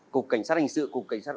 cục cảnh sát hành sự cục cảnh sát